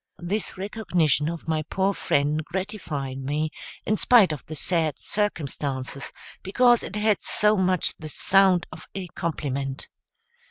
This recognition of my poor friend gratified me, in spite of the sad circumstances, because it had so much the sound of a compliment.